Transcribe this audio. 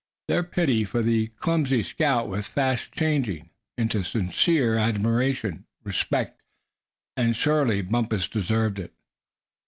Their pity for the clumsy scout was fast changing into sincere admiration, respect. And surely Bumpus deserved it.